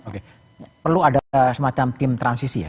oke perlu ada semacam tim transisi ya